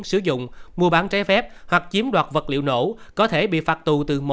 sử dụng mua bán trái phép hoặc chiếm đoạt vật liệu nổ có thể bị phạt tù từ một